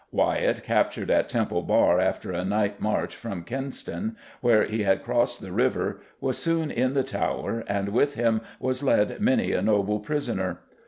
Wyatt, captured at Temple Bar after a night march from Kingston, where he had crossed the river, was soon in the Tower, and with him was led many a noble prisoner.